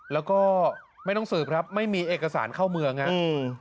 แล้วก็ไม่ต้องสืบครับไม่มีเอกสารเข้าเมืองครับ